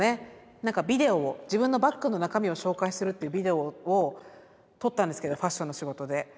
何かビデオを自分のバッグの中身を紹介するっていうビデオを撮ったんですけどファッションの仕事で。